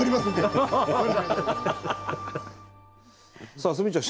さあ鷲見ちゃん